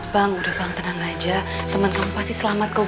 bang udah bang tenang aja teman kamu pasti selamat kau